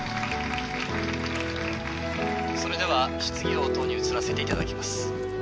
それでは質疑応答に移らせていただきます